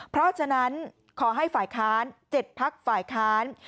เพราะฉะนั้นขอให้ฝ่ายค้าน๗พักฝ่ายค้าน